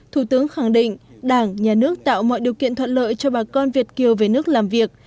thủ tướng khẳng định đảng nhà nước tạo mọi điều kiện thuận lợi cho bà con việt kiều về nước làm việc